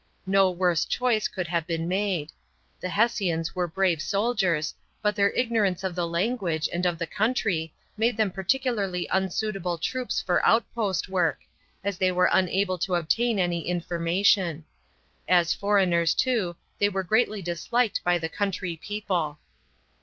No worse choice could have been made. The Hessians were brave soldiers, but their ignorance of the language and of the country made them peculiarly unsuitable troops for outpost work, as they were unable to obtain any information. As foreigners, too, they were greatly disliked by the country people.